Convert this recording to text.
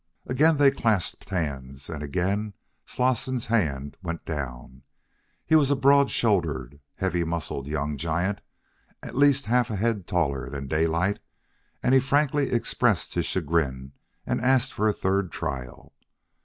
Again they clasped hands, and again Slosson's hand went down. He was a broad shouldered, heavy muscled young giant, at least half a head taller than Daylight, and he frankly expressed his chagrin and asked for a third trial.